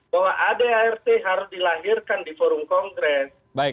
bahwa adart harus dilahirkan di forum kongres